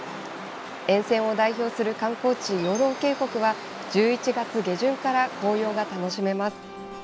沿線を代表する観光地養老渓谷は１１月下旬から紅葉が楽しめます。